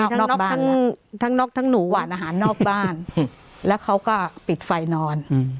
ออกนอกทั้งน็อกทั้งหนูหวานอาหารนอกบ้านแล้วเขาก็ปิดไฟนอน